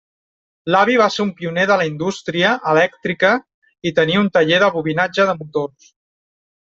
L'avi va ser un pioner de la indústria elèctrica i tenia un taller de bobinatge de motors.